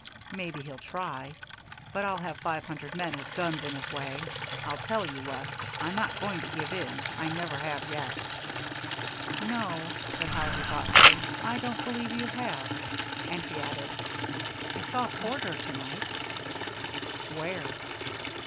"Maybe he'll try. But I'll have five hundred men with guns in his way. I'll tell you, West, I'm not going to give in. I never have yet." "No," said Harvey, thoughtfully, "I don't believe you have." And he added, "I saw Porter to night." "Where?"